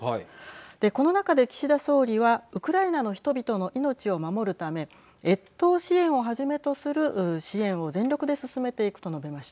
この中で岸田総理はウクライナの人々の命を守るため越冬支援をはじめとする支援をはい。